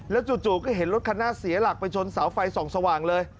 จู่ก็เห็นรถคันหน้าเสียหลักไปชนเสาไฟส่องสว่างเลย